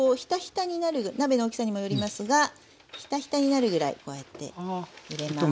鍋の大きさにもよりますがひたひたになるぐらいこうやって入れます。